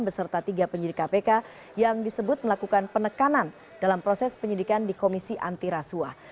beserta tiga penyidik kpk yang disebut melakukan penekanan dalam proses penyidikan di komisi antirasuah